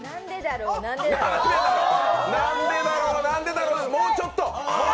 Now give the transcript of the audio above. なんでだろう、なんでだろうもうちょっと！